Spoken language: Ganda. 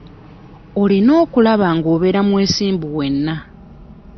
Olina okulaba nga obeera mwesimbu wenna.